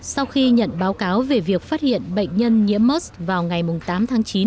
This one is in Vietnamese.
sau khi nhận báo cáo về việc phát hiện bệnh nhân nhiễm mỡ vào ngày tám tháng chín